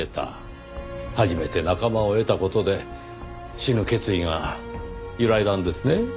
初めて仲間を得た事で死ぬ決意が揺らいだんですね。